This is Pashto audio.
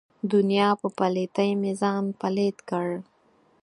دنیا په پلیتۍ مې ځان پلیت کړ.